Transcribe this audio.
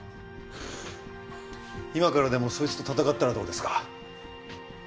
今からでもそいつと戦ったらどうですか？